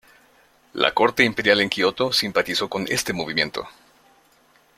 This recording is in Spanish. La corte imperial en Kioto simpatizó con este movimiento.